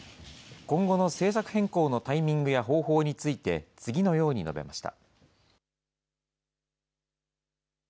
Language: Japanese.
今後の政策変更のタイミングや方法について、次のように述べました。